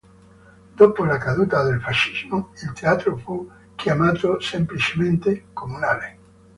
Dopo la caduta del fascismo, il Teatro fu chiamato semplicemente "Comunale".